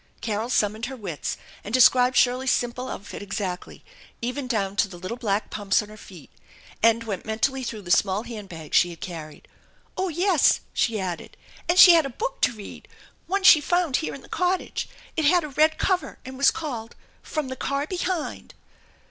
Carol summoned her wits and described Shirley's simple outfit exactly, even down to the little black pumps on her feet, and went mentally through the small hand bag she had carried. "Oh, yes!" she added, "and she had a book to read! One she found here in the cottage. It had a red cover and was called, " From the Car Behind."